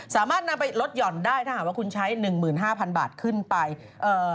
สามารถนำไปลดหย่อนได้ถ้าหากว่าคุณใช้๑๕๐๐๐บาทขึ้นไป